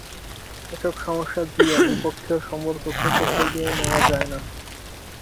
এসব সমস্যা জিইয়ে দ্বিপক্ষীয় সম্পর্ক খুব বেশি এগিয়ে নেওয়া যায় না।